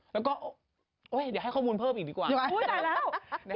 แล้วก็เดี๋ยวให้ข้อมูลเพิ่มอีกดีกว่า